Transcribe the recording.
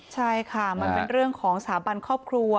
ใช่ค่ะมันเป็นเรื่องของสถาบันครอบครัว